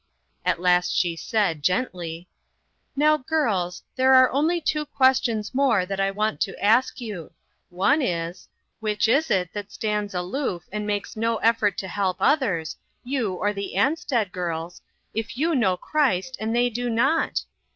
At last she said, gently : "Now, girls, there are only two questions more that I want to ask you. One is : Which is it that stands aloof, and makes no effort to help others, you or the Ansted girls, if you know Christ and they do not?